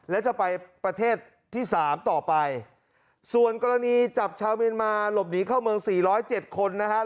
และจะไปประเทศที่๓ต่อไปส่วนกรณีจับชาวเมียนมาหลบหนีเข้าเมือง๔๐๗คนนะครับ